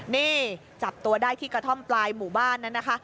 นี่จับตัวได้ที่กระท่อมปลายหมู่บ้านนั้นนะคะ